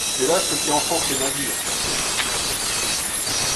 C’est là ce qui enfonce le navire.